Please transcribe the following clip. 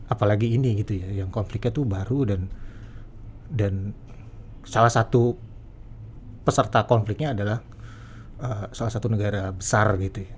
apalagi ini konfliknya itu baru dan salah satu peserta konfliknya adalah salah satu negara besar